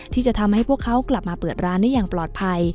ที่จะทำให้พวกเขากลับมาเปิดร้านได้อย่างปลอดภัย